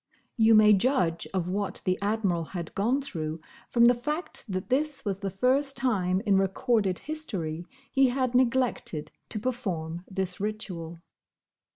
You may judge of what the Admiral had gone through from the fact that this was the first time in recorded history he had neglected to perform this ritual.